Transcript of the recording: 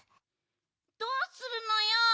どうするのよ。